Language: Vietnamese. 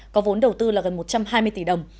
có vốn đầu tư là gần một trăm hai mươi tỷ đồng